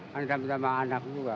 kan tambah tambah anak juga